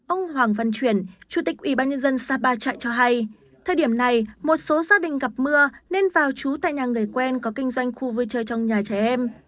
ông hoàng văn chuyển chủ tịch ủy ban nhân dân sapa chạy cho hay thời điểm này một số gia đình gặp mưa nên vào chú tại nhà người quen có kinh doanh khu vui chơi trong nhà trẻ em